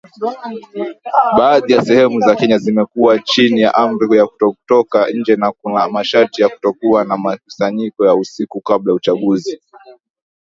Baadhi ya sehemu za Kenya zimekuwa chini ya amri ya kutotoka nje na kuna masharti ya kutokuwa na mikusanyiko ya usiku kabla ya uchaguzi